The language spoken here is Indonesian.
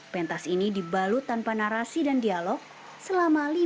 pentas ini dibalut tanpa narasi dan dialog selama lima tahun